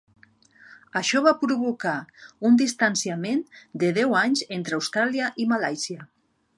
Això va provocar un distanciament de deu anys entre Austràlia i Malàisia.